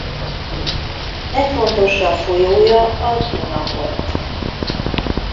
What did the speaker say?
Legfontosabb folyója a Duna volt.